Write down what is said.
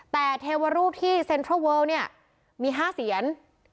แต่เทวรูปที่เซนทรอดรับเทวล์เนี่ยมีห้าเศียร